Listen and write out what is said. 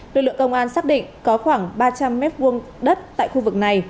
đội lượng công an xác định có khoảng ba trăm linh mét vuông đất tại khu vực này